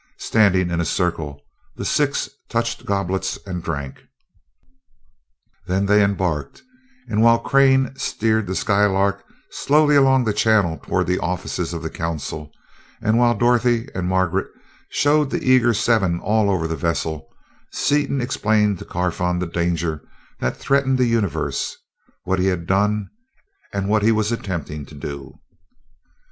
Standing in a circle, the six touched goblets and drank. They then embarked, and while Crane steered the Skylark slowly along the channel toward the offices of the Council, and while Dorothy and Margaret showed the eager Seven all over the vessel, Seaton explained to Carfon the danger that threatened the Universe, what he had done, and what he was attempting to do.